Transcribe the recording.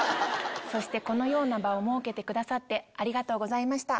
そしてこのような場を設けてくださってありがとうございました。